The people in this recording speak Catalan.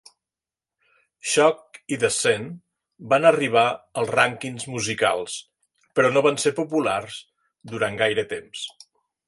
"Shock" i "Descent" van arribar als rànquings musicals, però no van ser populars durant gaire temps.